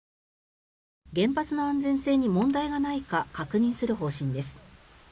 原発の安全性に問題がないか確認する方針です。